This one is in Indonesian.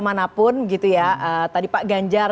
manapun gitu ya tadi pak ganjar